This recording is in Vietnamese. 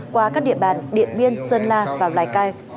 qua các địa bàn điện biên sơn la và lào cai